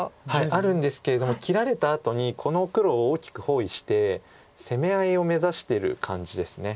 あるんですけれども切られたあとにこの黒を大きく包囲して攻め合いを目指してる感じです。